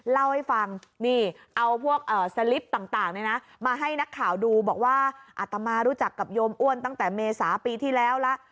ลิฟต่างมาให้นักข่าวดูบอกว่าอาตมารู้จักกับโยมอ้วนตั้งแต่เมษาปีที่แล้วล่ะ